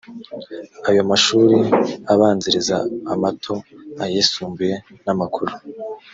ayo mashuri abanziriza amato, ayisumbuye n’amakuru